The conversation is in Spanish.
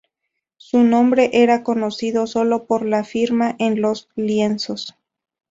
Su nombre era conocido solo por la firma en los lienzos.